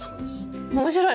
面白い！